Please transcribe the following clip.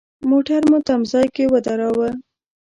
موټر مو تم ځای کې ودراوه.